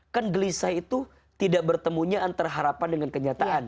kan gelisah itu tidak bertemunya antar harapan dengan kenyataan